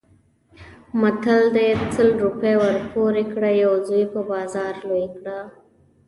متل دی: سل روپۍ پور کړه یو زوی په بازار لوی کړه.